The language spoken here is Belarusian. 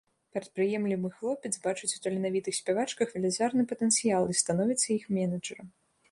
Прадпрыемлівы хлопец бачыць у таленавітых спявачках велізарны патэнцыял і становіцца іх менеджарам.